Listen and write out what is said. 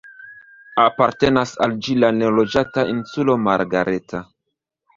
Apartenas al ĝi la neloĝata Insulo Margareta.